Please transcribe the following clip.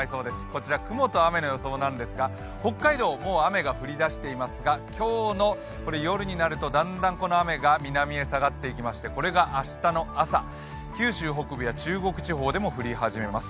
こちら、雲と雨の予想なんですが北海道、もう雨が降り出していますが今日の夜になるとだんだんこの雨が南に下がっていきましてこれが明日の朝、九州北部や中国地方でも降り始めます。